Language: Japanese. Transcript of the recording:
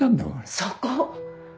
そこ！